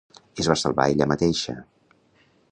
Es va salvar ella mateixa